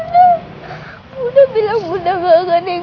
orang yang tadi siang dimakamin